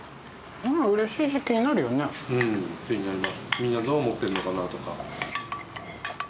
みんなどう思ってるのかなとか。